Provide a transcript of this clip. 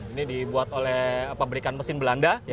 ini dibuat oleh pabrikan mesin belanda